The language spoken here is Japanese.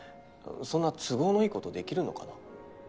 そんな都合のいいことできるのかな？